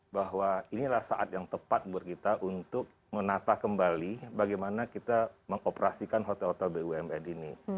bahwa inilah saat yang tepat buat kita untuk menata kembali bagaimana kita mengoperasikan hotel hotel bumn ini